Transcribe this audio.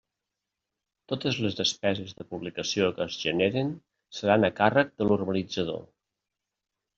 Totes les despeses de publicació que es generen seran a càrrec de l'urbanitzador.